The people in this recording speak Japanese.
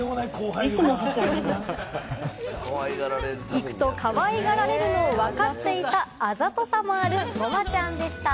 行くと、かわいがられるのをわかっていた、あざとさもあるごまちゃんでした。